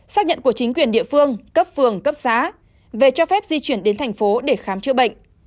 xác nhận của chính quyền địa phương cấp phường cấp xã về cho phép di chuyển đến thành phố để khám chữa bệnh